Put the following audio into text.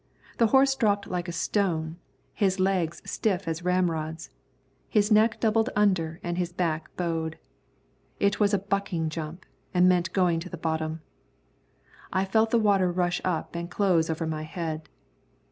The horse dropped like a stone, his legs stiff as ramrods, his neck doubled under and his back bowed. It was a bucking jump and meant going to the bottom. I felt the water rush up and close over my head.